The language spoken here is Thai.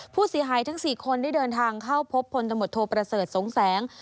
ผู้เสียหายทั้ง๔คนได้เดินทางเข้าพบพลตำรวจโทประเสริฐสงแสง